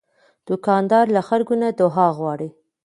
دوکاندار له خلکو نه دعا غواړي.